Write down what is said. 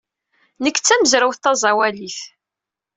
Nekk d tamezrawt taẓawalit.